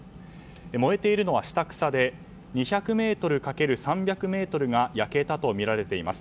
燃えているのは下草で２００ｍ×３００ｍが焼けたとみられています。